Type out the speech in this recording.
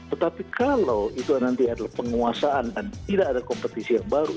tetapi kalau itu nanti adalah penguasaan dan tidak ada kompetisi yang baru